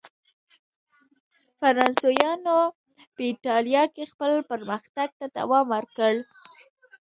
فرانسویانو په اېټالیا کې خپل پرمختګ ته دوام ورکړ.